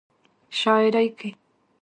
شاعرۍ کې